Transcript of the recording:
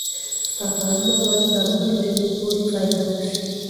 ستا کارونه به تر بلې جمعې پورې پای ته ورسیږي.